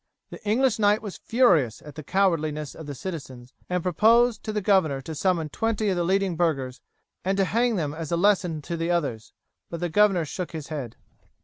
The English knight was furious at the cowardliness of the citizens, and proposed to the governor to summon twenty of the leading burghers, and to hang them as a lesson to the others; but the governor shook his head.